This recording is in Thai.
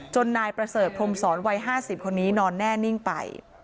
นายประเสริฐพรมศรวัย๕๐คนนี้นอนแน่นิ่งไป